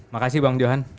makasih bang johan